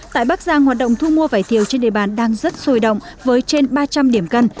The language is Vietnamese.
tại bắc giang hoạt động thu mua vải thiều trên địa bàn đang rất sôi động với trên ba trăm linh điểm cân